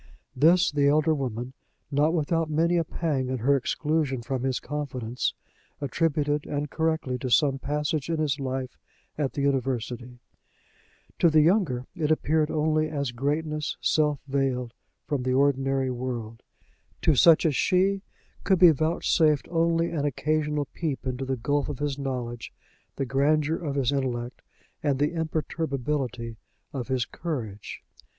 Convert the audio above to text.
This the elder woman, not without many a pang at her exclusion from his confidence, attributed, and correctly, to some passage in his life at the university; to the younger it appeared only as greatness self veiled from the ordinary world: to such as she, could be vouchsafed only an occasional peep into the gulf of his knowledge, the grandeur of his intellect, and the imperturbability of his courage.